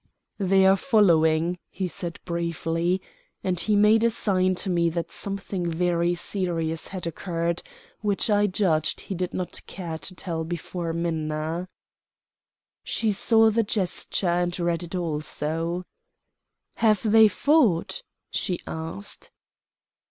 "They are following," he said briefly, and he made a sign to me that something very serious had occurred, which I judged he did not care to tell before Minna. She saw the gesture and read it also. "Have they fought?" she asked.